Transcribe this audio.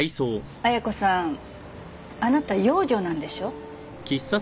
亜矢子さんあなた養女なんでしょ？